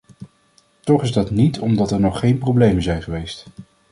Toch is dat niet omdat er nog geen problemen zijn geweest.